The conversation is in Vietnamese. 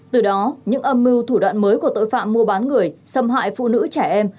từ đó những âm mưu thủ đoạn mới của tội phạm mua bán người xâm hại phụ nữ trẻ em